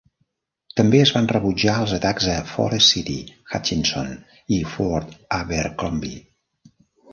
També es van rebutjar els atacs a Forest City, Hutchinson i Fort Abercrombie.